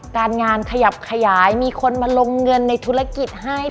การงานขยับขยายมีคนมาลงเงินในธุรกิจให้